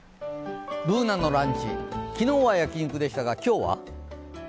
Ｂｏｏｎａのランチ、昨日は焼き肉でしたが今日は？